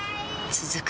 続く